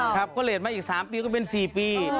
ก็เลยมาอีก๓ปีก็เป็น๔ปี